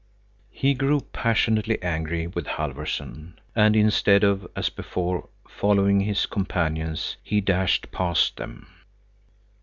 He grew passionately angry with Halfvorson, and instead of, as before, following his companions, he dashed past them.